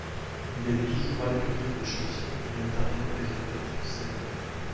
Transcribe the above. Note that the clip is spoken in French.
Il aide toujours à l'écriture des chansons et intervient occasionnellement sur scène.